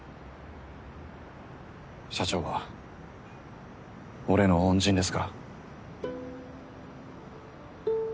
社長は俺の恩人ですから。